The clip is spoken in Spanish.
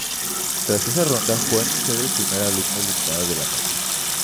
Tras esta ronda, fue anunciado el primer alumno eliminado de la noche.